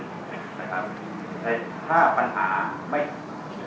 ถ้าปัญหาไม่เกิดมนตรภพ